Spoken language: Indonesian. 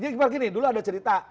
jadi seperti ini dulu ada cerita